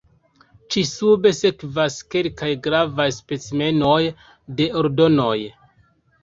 Ĉi-sube sekvas kelkaj gravaj specimenoj de ordonoj.